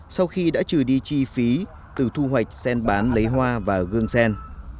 sau khi đã trừ đi chi phí từ thu hoạch sen bán lấy hoa và gương sen